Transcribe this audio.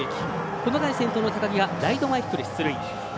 この回先頭の高木ライト前ヒットで出塁。